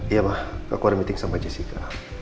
iya mah aku ada meeting sama jessica